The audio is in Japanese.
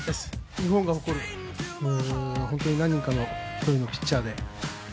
日本が誇る、本当に何もかも１人のピッチャーで。